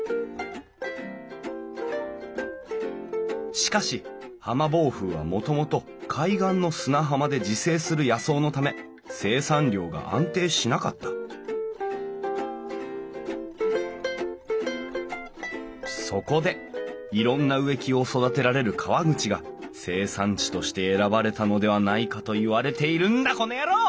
しかしハマボウフウはもともと海岸の砂浜で自生する野草のため生産量が安定しなかったそこでいろんな植木を育てられる川口が生産地として選ばれたのではないかと言われているんだこの野郎！